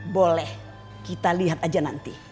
boleh kita lihat aja nanti